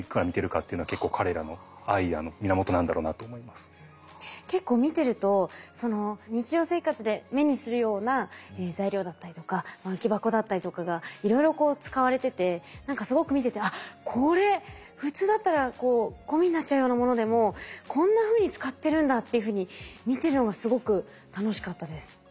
すごくロボコンで大切なんですけど結構見てると日常生活で目にするような材料だったりとか空き箱だったりとかがいろいろこう使われてて何かすごく見ててこれ普通だったらゴミになっちゃうようなものでもこんなふうに使ってるんだっていうふうに見てるのがすごく楽しかったです。